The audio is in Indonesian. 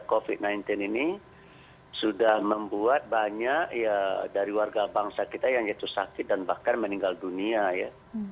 covid sembilan belas ini sudah membuat banyak ya dari warga bangsa kita yang jatuh sakit dan bahkan meninggal dunia ya